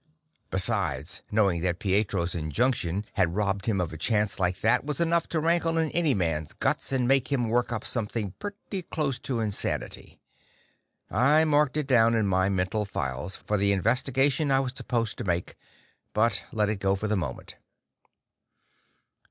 Besides, knowing that Pietro's injunction had robbed him of a chance like that was enough to rankle in any man's guts and make him work up something pretty close to insanity. I marked it down in my mental files for the investigation I was supposed to make, but let it go for the moment.